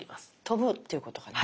飛ぶっていうことかな？